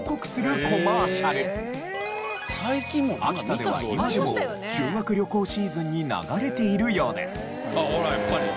秋田では今でも修学旅行シーズンに流れているようです。